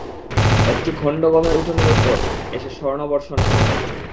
একটি খণ্ড গমের উঠানের উপর এসে স্বর্ণ বর্ষণ করে।